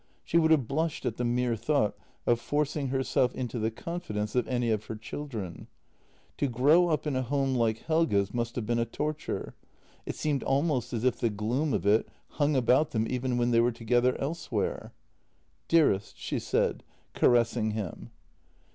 She would have blushed at the mere thought of forcing herself into the confidence of any of her children. To grow up in a home like Helge's must have been a torture. It seemed almost as if the gloom of it hung about them even when they were together elsewhere. " Dearest," she said, caressing him.